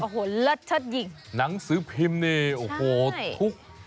โอ้โหเลิศเชิดยิงหนังสือพิมพ์นี่โอ้โหทุก